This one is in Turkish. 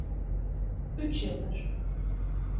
Üç yıldır.